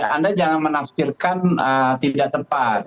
anda jangan menafsirkan tidak tepat